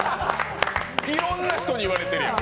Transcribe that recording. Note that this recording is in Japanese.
いろんな人に言われてるやん。